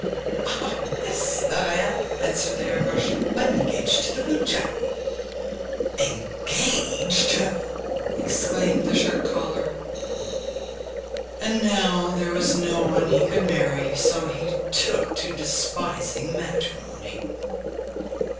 'Yes, that I have!' answered the hair brush; 'I'm engaged to the boot jack!' 'Engaged!' exclaimed the shirt collar. And now there was no one he could marry, so he took to despising matrimony.